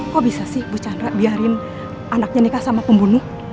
kok bisa sih bu chandra biarin anaknya nikah sama pembunuh